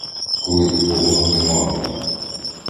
Коли б помогли мамі!